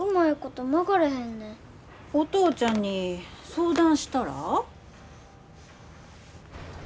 お父ちゃんに相談したら？